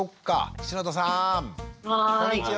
こんにちは！